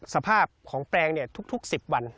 สภาพของแปลงทุก๑๐วัน